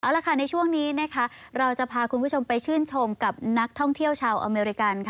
เอาละค่ะในช่วงนี้นะคะเราจะพาคุณผู้ชมไปชื่นชมกับนักท่องเที่ยวชาวอเมริกันค่ะ